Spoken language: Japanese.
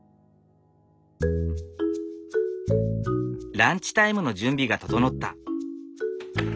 ランチタイムの準備が整った。